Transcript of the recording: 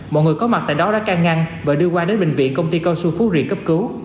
mọi người có mặt tại đó đã can ngăn và đưa qua đến bệnh viện công ty cao su phú riêng cấp cứu